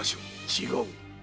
違う！